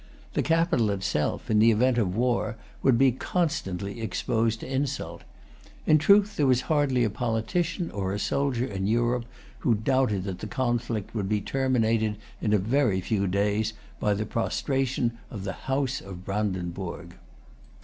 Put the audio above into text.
The capital itself, in the event of war, would be constantly exposed to insult. In truth there was hardly a politician or a soldier in Europe who doubted that the conflict would be terminated in a very few days by the prostration of the House of Brandenburg.